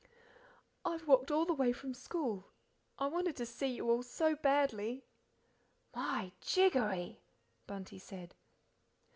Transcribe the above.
"I've walked all the way from school. I wanted to see you all so badly." "My jiggery!" Bunty said.